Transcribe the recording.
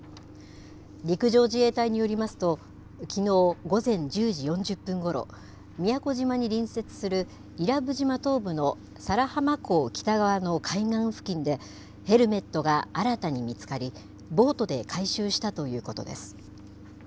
陸上自衛隊によりますと、きのう午前１０時４０分ごろ、宮古島に隣接する伊良部島東部の佐良浜港北側の海岸付近で、ヘルメットが新たに見つかり、ボートで回収したということです。